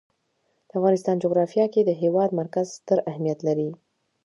د افغانستان جغرافیه کې د هېواد مرکز ستر اهمیت لري.